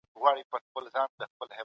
ژباړې پخواني دردونه راژوندي کړي دي.